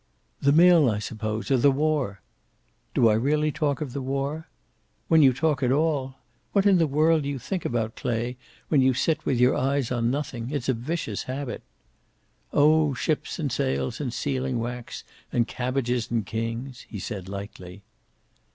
"The mill, I suppose! Or the war!" "Do I really talk of the war?" "When you talk at all. What in the world do you think about, Clay, when you sit with your eyes on nothing? It's a vicious habit." "Oh, ships and sails and sealing wax and cabbages and kings," he said, lightly.